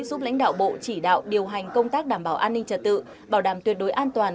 giúp lãnh đạo bộ chỉ đạo điều hành công tác đảm bảo an ninh trật tự bảo đảm tuyệt đối an toàn